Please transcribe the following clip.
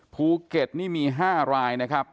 ภูเก็ตนี่มี๕รายนะครับ